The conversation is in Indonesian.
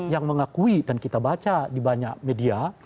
yang mengakui dan kita baca di banyak media